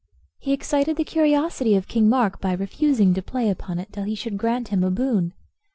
He excited the curiosity of King Mark by refusing to play upon it till he should grant him a boon.